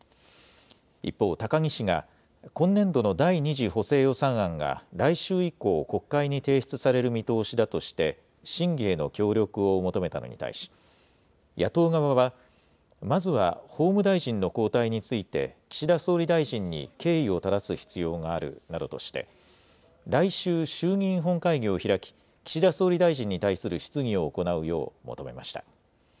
一方、高木氏が今年度の第２次補正予算案が、来週以降、国会に提出される見通しだとして、審議への協力を求めたのに対し、野党側は、まずは法務大臣の交代について、岸田総理大臣に経緯をただす必要があるなどとして、来週、衆議院本会議を開き、岸田総理大臣に対する質疑を行うよう求めました。